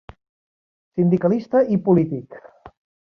Sindicalista i polític.